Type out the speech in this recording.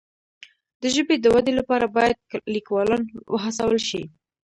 د ژبې د ودي لپاره باید لیکوالان وهڅول سي.